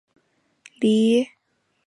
梨叶悬钩子为蔷薇科悬钩子属的植物。